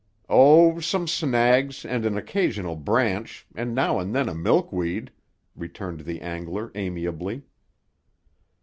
"Oh, some snags, and an occasional branch, and now and then a milkweed," returned the angler amiably.